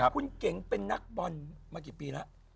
คุณเก๋งเป็นนักบอลมากี่ปีแล้ว